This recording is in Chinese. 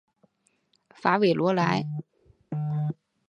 法韦罗莱。